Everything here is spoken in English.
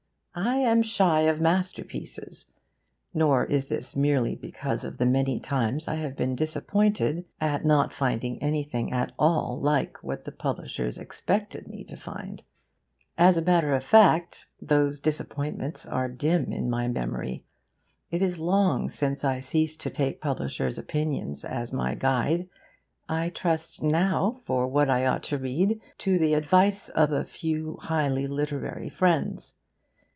I am shy of masterpieces; nor is this merely because of the many times I have been disappointed at not finding anything at all like what the publishers expected me to find. As a matter of fact, those disappointments are dim in my memory: it is long since I ceased to take publishers' opinions as my guide. I trust now, for what I ought to read, to the advice of a few highly literary friends.